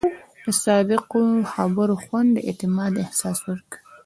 د صادقو خبرو خوند د اعتماد احساس ورکوي.